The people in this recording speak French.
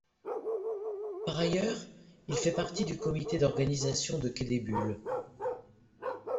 Par ailleurs, il fait partie du comité d'organisation de Quai des Bulles.